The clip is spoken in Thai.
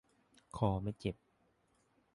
คอไม่เจ็บ